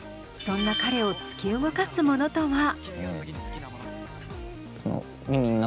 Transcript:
そんな彼を突き動かすものとは？